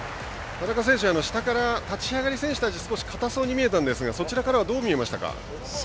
田中さんは、下から立ち上がり、選手たち硬そうに見えたんですがそちらからはどう見えましたか？